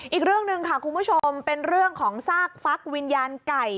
อีกเรื่องหนึ่งค่ะคุณผู้ชมเป็นเรื่องของซากฟักวิญญาณไก่